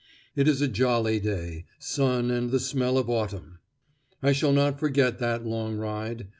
It is a jolly day: sun, and the smell of autumn." I shall not forget that long ride.